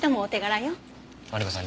マリコさん